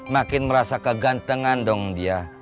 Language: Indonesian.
makin merasa kegantengan dong dia